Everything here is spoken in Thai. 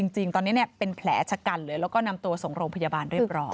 จริงตอนนี้เป็นแผลชะกันเลยแล้วก็นำตัวส่งโรงพยาบาลเรียบร้อย